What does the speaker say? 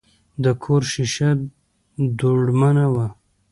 د کور شیشه دوړمنه وه.